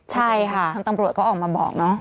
ใช่ค่ะทางตำรวจก็ออกมาบอกเนาะ